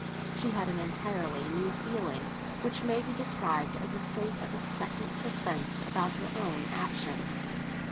She had an entirely new feeling, which may be described as a state of expectant suspense about her own actions.